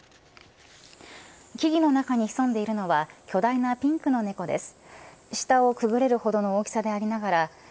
木々の中に潜んでいるのは巨大なピンクのネコです。